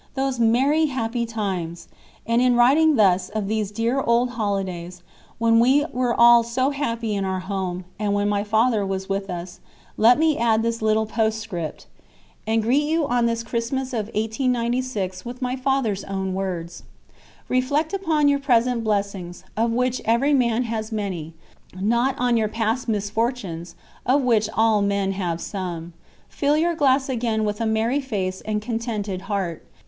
Those merry, happy times! And in writing thus of these dear old holidays, when we were all so happy in our home, and when my father was with us, let me add this little postscript, and greet you on this Christmas of 1896, with my father's own words: "Reflect upon your present blessings—of which every man has many—not on your past misfortunes, of which all men have some. Fill your glass again with a merry face and contented heart.